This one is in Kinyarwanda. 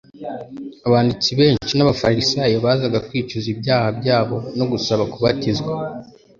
Abanditsi benshi n'abafarisayo bazaga kwicuza ibyaha byabo no gusaba kubatizwa.